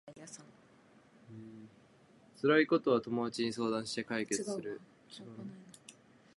辛いことは友達に相談して解決する